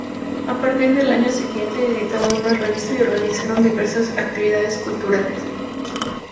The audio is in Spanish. A partir del año siguiente editaron una revista y organizaron diversas actividades culturales.